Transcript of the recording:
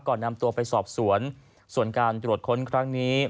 นำตัวไปสอบสวนส่วนการตรวจค้นครั้งนี้